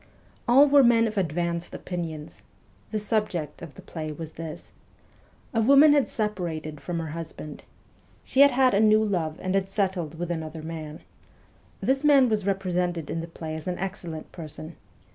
All were men of advanced opinions. The subject of the play was this : A woman had separated from her husband. She had had a new love and had settled with another man. This man was represented in the play as an excellent person.